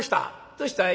「どうしたい？」。